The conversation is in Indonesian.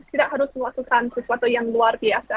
tidak harus melakukan sesuatu yang luar biasa